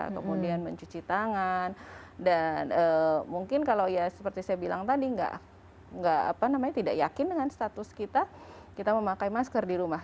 kemudian mencuci tangan dan mungkin kalau ya seperti saya bilang tadi tidak yakin dengan status kita kita memakai masker di rumah